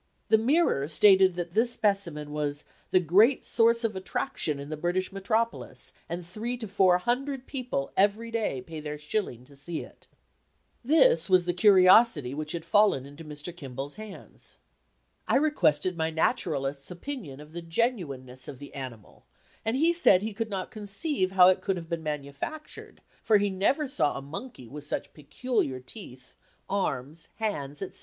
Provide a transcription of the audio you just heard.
The Mirror stated that this specimen was "the great source of attraction in the British metropolis, and three to four hundred people every day pay their shilling to see it." This was the curiosity which had fallen into Mr. Kimball's hands. I requested my naturalist's opinion of the genuineness of the animal and he said he could not conceive how it could have been manufactured, for he never saw a monkey with such peculiar teeth, arms, hands, etc.